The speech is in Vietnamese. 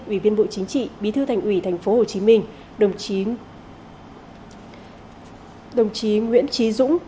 ủy viên bộ chính trị bí thư thành ủy tp hcm đồng chí nguyễn trí dũng